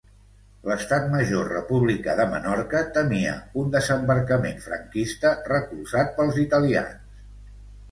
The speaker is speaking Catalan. L'Estat Major Republicà de Menorca temia un desembarcament franquista recolzat pels italians.